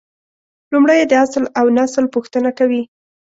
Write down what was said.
لومړی یې د اصل اونسل پوښتنه کوي.